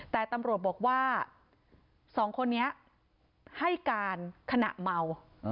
แต่ตำรวจบอกว่าสองคนนี้ให้การขณะเมา